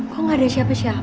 kok gak ada siapa siapa